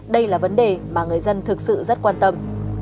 đây là vấn đề mà người dân thực sự rất quan tâm